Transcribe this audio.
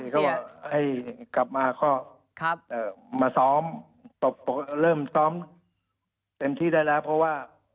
ข้อแรกคอให้กลับมาข้อครับมาซ้อมตกเริ่มซ้อมเต็มที่ได้แล้วเพราะว่า